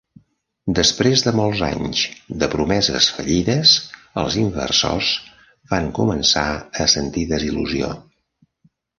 Després de molts anys de promeses fallides, els inversors van començar a sentir desil·lusió.